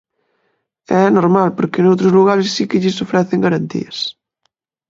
E é normal porque noutros lugares si que lles ofrecen garantías.